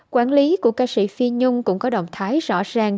quản lý của ca sĩ phi nhung cũng có động thái rõ ràng